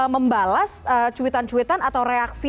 membalas cuitan cuitan atau reaksi